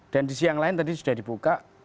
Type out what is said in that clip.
dan di siang lain tadi sudah dibuka